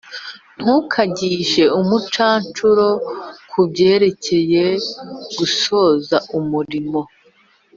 ntukagishe umucancuro ku byerekeye gusoza umurimo,